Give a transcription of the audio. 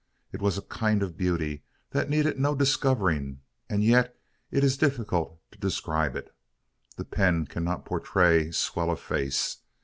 It was a kind of beauty that needed no discovering and yet it is difficult to describe it. The pen cannot portray swell a face.